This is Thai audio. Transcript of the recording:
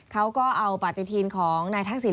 เขาก็เอาปฏิทินของนายทักษิณ